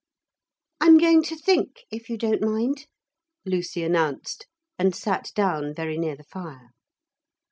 'I'm going to think, if you don't mind,' Lucy announced, and sat down very near the fire.